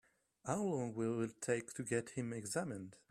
How long will it take to get him examined?